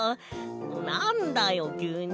なんだよきゅうに。